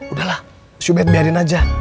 udahlah si ubed biarin aja